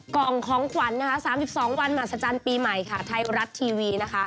กล่องของขวัญ๓๒วันมหัศจรรย์ปีใหม่ไทยรัฐทีวี